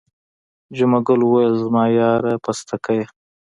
جمعه ګل وویل زما یاره پستکیه.